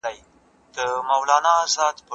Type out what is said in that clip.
دا لوبه له هغه خوندوره ده؟!